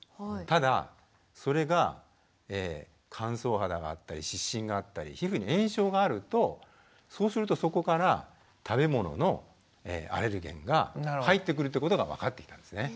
ただそれが乾燥肌があったり湿疹があったり皮膚に炎症があるとそうするとそこから食べ物のアレルゲンが入ってくるってことが分かってきたんですね。